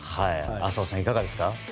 浅尾さん、いかがですか？